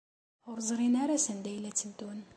Ur ẓrin ara sanda ay la tteddun.